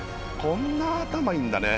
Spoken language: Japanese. こんな頭いいんだね。